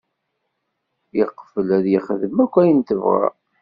Yeqbel ad yexdem akk ayen tebɣa.